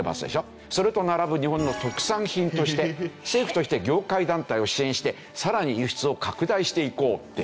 それと並ぶ日本の特産品として政府として業界団体を支援してさらに輸出を拡大していこうって。